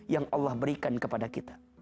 yang allah berikan kepada kita